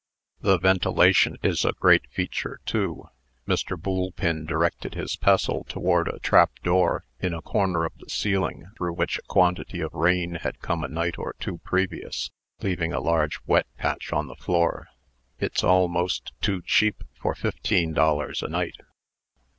"The ventilation is a great feature, too." Mr. Boolpin directed his pestle toward a trap door in a corner of the ceiling, through which a quantity of rain had come a night or two previous, leaving a large wet patch on the floor. "It's almost too cheap for fifteen dollars a night."